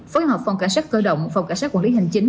phối hợp phòng cảnh sát cơ động phòng cảnh sát quản lý hành chính